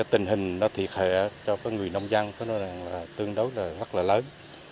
tình hình thiệt hệ cho người nông dân tương đối rất lớn